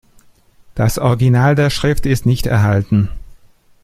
Das Original der Schrift ist nicht erhalten.